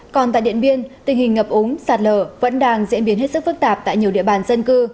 còn tại điện biên tình hình ngập ống sạt lở vẫn đang diễn biến hết sức phức tạp tại nhiều địa bàn dân cư